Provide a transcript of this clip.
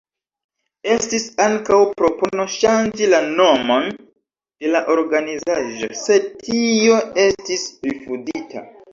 Estis ankaŭ propono ŝanĝi la nomon de la organizaĵo, sed tio estis rifuzita.